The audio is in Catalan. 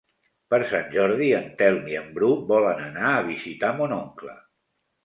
Per Sant Jordi en Telm i en Bru volen anar a visitar mon oncle.